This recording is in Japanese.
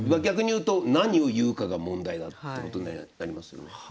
逆に言うと何を言うかが問題だってことになりますよね。